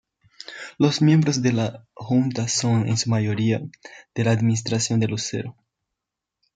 Los miembros de la Junta son en su mayoría de la administración de Lucero.